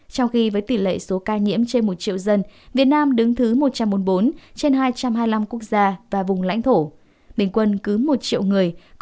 số bệnh nhân tử vong